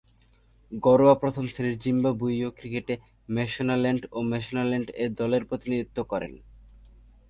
ঘরোয়া প্রথম-শ্রেণীর জিম্বাবুয়ীয় ক্রিকেটে ম্যাশোনাল্যান্ড ও ম্যাশোনাল্যান্ড এ-দলের প্রতিনিধিত্ব করেন।